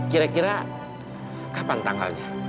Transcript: kira kira kapan tanggalnya